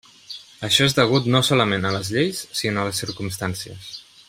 Això és degut no solament a les lleis, sinó a les circumstàncies.